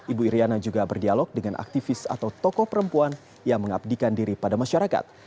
ibu iryana juga berdialog dengan aktivis atau tokoh perempuan yang mengabdikan diri pada masyarakat